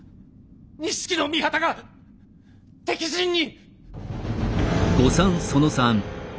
錦の御旗が敵陣に！